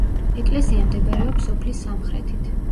ეკლესია მდებარეობს სოფლის სამხრეთით.